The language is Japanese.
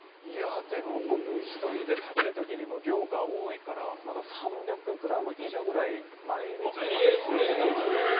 でも、僕１人で食べる時に量が多いから３００ｇ以上ぐらい毎日食べたりするので。